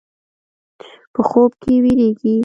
په خوب کې وېرېږي.